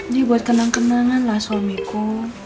ini buat kenang kenangan lah suamiku